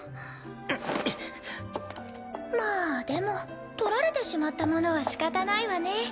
まあでも取られてしまったものはしかたないわね。